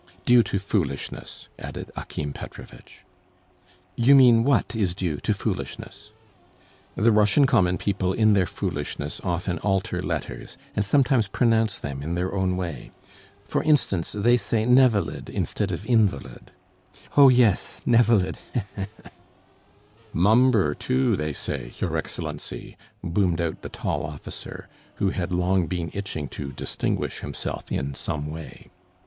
"Due to foolishness," added Akim Petrovitch. "You mean what is due to foolishness?" "The Russian common people in their foolishness often alter letters, and sometimes pronounce them in their own way. For instance, they say nevalid instead of invalid." "Oh, yes, nevalid, he he he...." "Mumber, too, they say, your Excellency," boomed out the tall officer, who had long been itching to distinguish himself in some way.